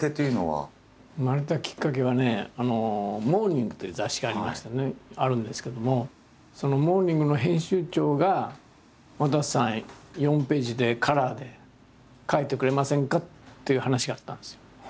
生まれたきっかけはね「モーニング」という雑誌がありましてねあるんですけどもその「モーニング」の編集長が「わたせさん４ページでカラーで描いてくれませんか？」っていう話があったんですよ。